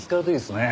ねえ。